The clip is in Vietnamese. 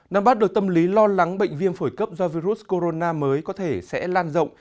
năm bắt được tâm lý lo lắng bệnh viêm phổi cấp do virus corona mới có thể sẽ lan rộng